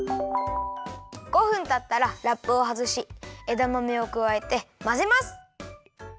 ５分たったらラップをはずしえだまめをくわえてまぜます。